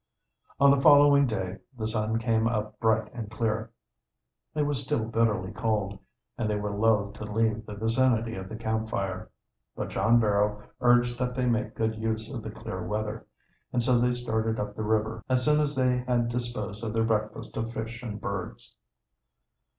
On the following day the sun came up bright and clear. It was still bitterly cold, and they were loath to leave the vicinity of the camp fire. But John Barrow urged that they make good use of the clear weather, and so they started up the river as soon as they had disposed of their breakfast of fish and birds.